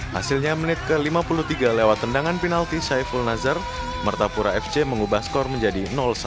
hasilnya menit ke lima puluh tiga lewat tendangan penalti saiful nazar martapura fc mengubah skor menjadi satu